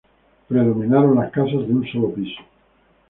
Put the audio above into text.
Predominaron las casas de un solo piso.